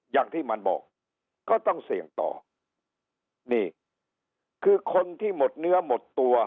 อย่างที่มันบอกก็ต้องเสี่ยงต่อนี่คือคนที่หมดเนื้อหมดตัว